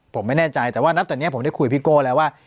ผมไม่แน่ใจแต่ว่านับตอนนี้ผมได้คุยพี่โก้แล้วว่า